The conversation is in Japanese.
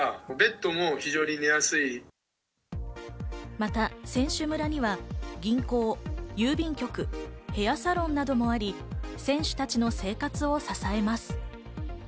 また選手村には銀行、郵便局、ヘアサロンなどもあり、選手たちの生活を支えます。